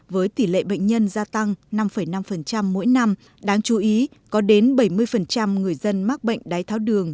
với tỷ lệ bệnh nhân gia tăng năm năm mỗi năm đáng chú ý có đến bảy mươi người dân mắc bệnh đái tháo đường